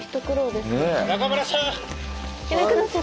中村さん！